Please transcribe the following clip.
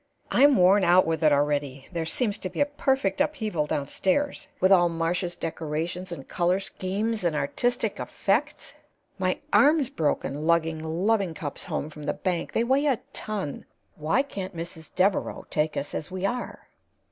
I'm worn out with it already. There seems to be a perfect upheaval downstairs, with all Marcia's decorations and color schemes and 'artistic effects.' My arm's broken lugging loving cups home from the bank they weigh a ton. Why can't Mrs. Devereaux take us as we are?"